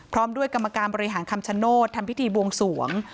พร้อมด้วยกรรมการบริหารคำชโนธทำพิธีบวงสวง